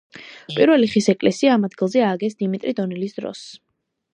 პირველი ხის ეკლესია ამ ადგილზე ააგეს დიმიტრი დონელის დროს.